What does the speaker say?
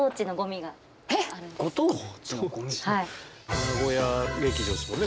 名古屋劇場ですもんね？